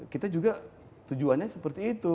kita juga tujuannya seperti itu